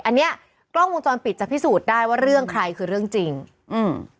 อันเนี้ยกล้องวงจรปิดจะพิสูจน์ได้ว่าเรื่องใครคือเรื่องจริงอืม